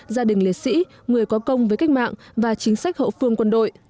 gia đình liệt sĩ người có công với cách mạng và chính sách hậu phương quân đội